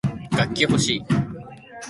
楽器ほしい